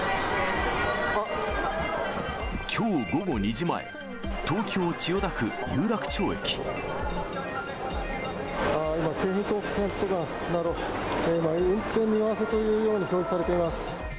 きょう午後２時前、今、京浜東北線など、運転見合わせというように表示されています。